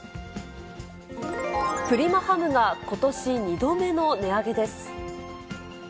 プリマハムが、ことし２度目の値上げです。